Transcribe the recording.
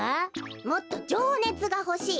もっとじょうねつがほしい。